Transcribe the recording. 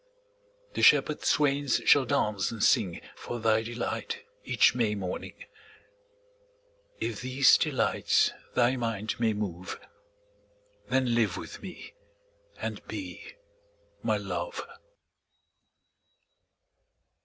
20 The shepherd swains shall dance and sing For thy delight each May morning: If these delights thy mind may move, Then live with me and be my Love.